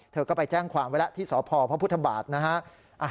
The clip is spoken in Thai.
เธอก็ไปแจ้งความไว้แล้วที่สพพระพุทธบาทนะฮะ